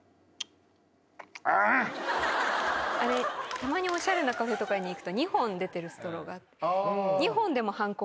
たまにおしゃれなカフェとかに行くと２本出てるストローがあって。